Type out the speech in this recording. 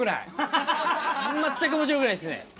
全く面白くないですね。